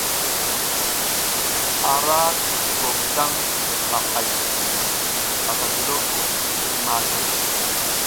A ra kutuko taƞ a hay, asa ndiloko ti ɓiri makər.